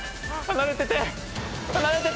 離れてて！